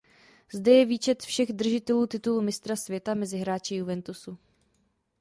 Zde je výčet všech držitelů titulu mistra světa mezi hráči Juventusu.